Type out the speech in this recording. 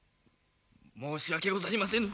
申し訳ござりませぬ。